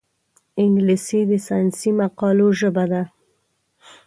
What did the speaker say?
انګلیسي د ساینسي مقالو ژبه ده